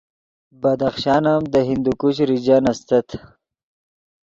بدخشان ام دے ہندوکش ریجن استت